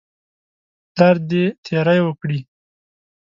پلار دې تیری وکړي.